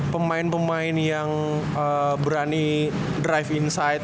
pemain pemain yang berani drive insight